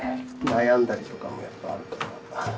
悩んだりとかもやっぱあるから。